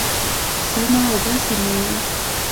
سمع او بصر مې یې